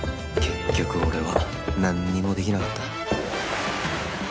結局俺はなんにもできなかった